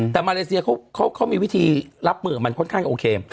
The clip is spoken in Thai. แต่มาเลเซียเขามีวิธีรับมือกับมันค่อนข้างโอเค